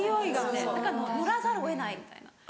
だから乗らざるを得ないみたいな。